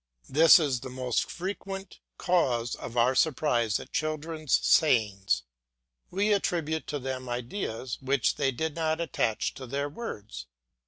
This is the most frequent cause of our surprise at children's sayings; we attribute to them ideas which they did not attach to their words.